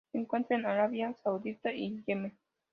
Se encuentra en Arabia Saudita y Yemen.